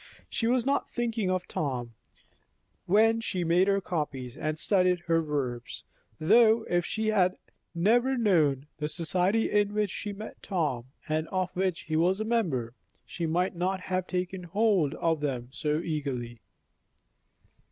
She was not thinking of Tom, when she made her copies and studied her verbs; though if she had never known the society in which she met Tom and of which he was a member, she might not have taken hold of them so eagerly.